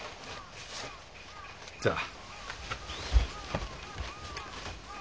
じゃあ。